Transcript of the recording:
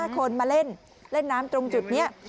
๕คนมาเล่นเล่นน้ำตรงจุดนี้